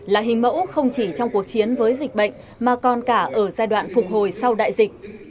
là hình mẫu không chỉ trong cuộc chiến với dịch bệnh mà còn cả ở giai đoạn phục hồi sau đại dịch